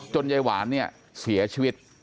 ยายหวานเนี่ยเสียชีวิต